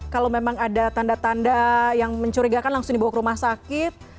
kalau memang ada tanda tanda yang mencurigakan langsung dibawa ke rumah sakit